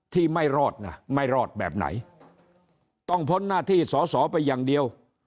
ไม่รอดนะไม่รอดแบบไหนต้องพ้นหน้าที่สอสอไปอย่างเดียว